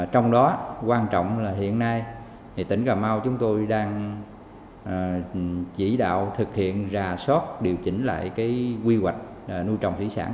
trong đó quan trọng là hiện nay tỉnh cà mau chúng tôi đang chỉ đạo thực hiện rà soát điều chỉnh lại quy hoạch nuôi trồng thủy sản